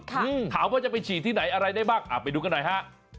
ถามว่าจะไปฉีดที่ไหนอะไรได้บ้างอ่ะไปดูกันหน่อยฮะ